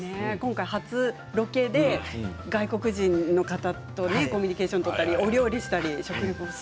初ロケで外国人の方とコミュニケーションを取ったりお料理をしたり。